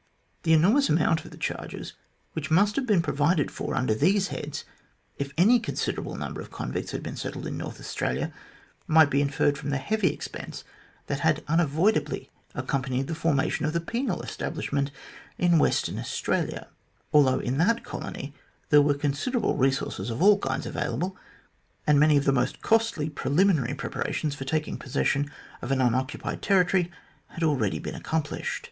The enormous amount of the charges which must have been provided for under these heads, if any consider able number of convicts had been settled in North Australia, might be inferred from the heavy expense that had unavoid ably accompanied the formation of the penal establishment in Western Australia, although in that colony there were considerable resources of all kinds available, and many of the most costly preliminary preparations for taking posses sion of an unoccupied territory had already been accomplished.